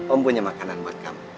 om punya makanan buat kamu